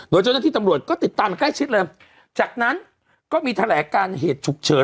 โดยเจ้าหน้าที่ตำรวจก็ติดตามอย่างใกล้ชิดเลยจากนั้นก็มีแถลงการเหตุฉุกเฉิน